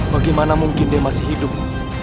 bagaimana mungkin dia masih hidup